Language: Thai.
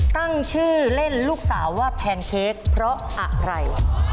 ตั้งชื่อเล่นลูกสาวว่าแพนเค้กเพราะอะไร